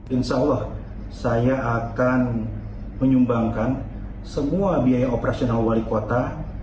insya allah saya akan menyumbangkan semua biaya operasional wali kota